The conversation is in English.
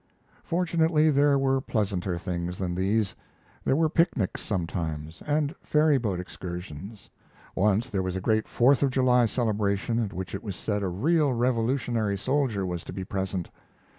Fortunately there were pleasanter things than these. There were picnics sometimes, and ferry boat excursions. Once there was a great Fourth of July celebration at which it was said a real Revolutionary soldier was to be present.